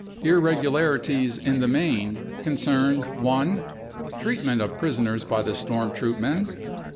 Irregularities in the main concerned :" 1 . Treatment of prisoners by the storm troopmen.